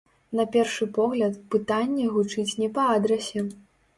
На першы погляд, пытанне гучыць не па адрасе.